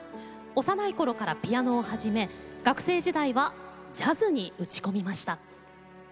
幼いころからピアノを始め学生時代はジャズに打ち込みました。